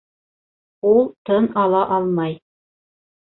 Ул тын ала алмай